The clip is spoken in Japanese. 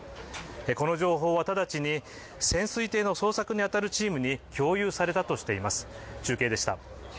この情報は直ちに潜水艇の捜索に当たるチームに共有されたとしています。